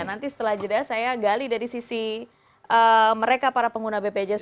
nanti setelah jeda saya gali dari sisi mereka para pengguna bpjs